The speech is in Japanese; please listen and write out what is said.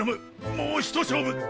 もうひと勝負！